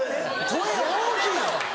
声大きい。